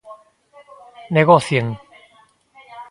Negocien.